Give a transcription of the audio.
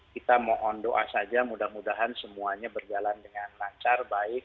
kita mohon doa saja mudah mudahan semuanya berjalan dengan lancar baik